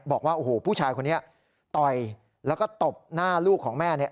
บอกว่าโอ้โหผู้ชายคนนี้ต่อยแล้วก็ตบหน้าลูกของแม่เนี่ย